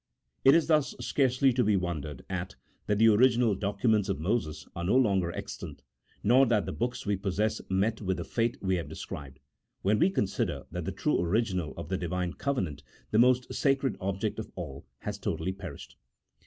It is thus scarcely to be wondered at, that the original documents of Moses are no longer extant, nor that the books we possess met with the fate we have described, when we consider that the true original of the Divine covenant, the most sacred object of all, has totally perished.